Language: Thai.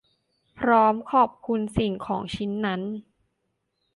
พร้อมขอบคุณสิ่งของชิ้นนั้น